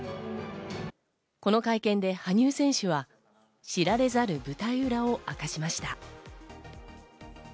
この会見で羽生選手は知られざる舞台裏を明かしました。